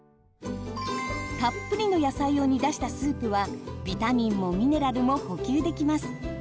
たっぷりの野菜を煮出したスープはビタミンもミネラルも補給できます。